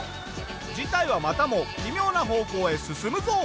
事態はまたも奇妙な方向へ進むぞ！